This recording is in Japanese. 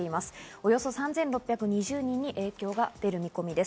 およそ３６２０人に影響が出る見込みです。